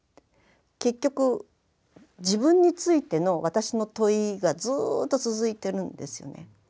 結局自分についての私の問いがずっと続いてるんですよね。